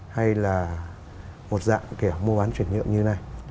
hay là một dạng kiểu mua bán chuyển nhượng như thế này